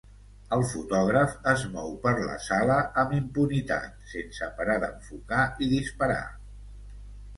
El fotògraf es mou per la sala amb impunitat, sense parar d'enfocar i disparar.